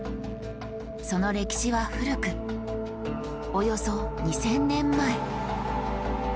その歴史は古くおよそ２，０００年前。